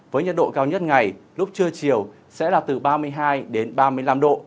với nhiệt độ cao nhất ngày lúc trưa chiều sẽ là từ ba mươi hai đến ba mươi năm độ